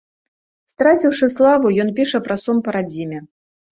Страціўшы славу, ён піша пра сум па радзіме.